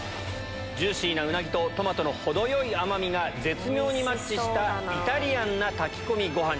ジューシーなウナギとトマトの程よい甘みが絶妙にマッチしたイタリアンな炊き込みご飯。